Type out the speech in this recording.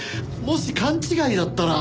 もし勘違いだったら。